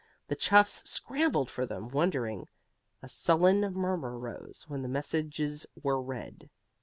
The chuffs scrambled for them, wondering. A sullen murmur rose when the messages were read.